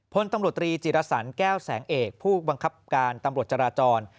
พลตำรวจตรีจิรสันแก้วแสงเอกผู้บังคับการตำรวจจราจร